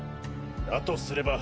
とすれば